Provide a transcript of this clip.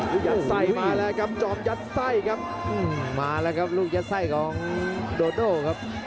ลูกยัดไส้ครับมาแล้วครับลูกยัดไส้ของโดโดครับ